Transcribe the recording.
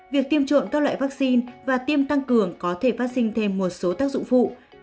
việc tiêm trộm các loại vaccine và tiêm tăng cường có thể phát sinh thêm một số tác dụng phụ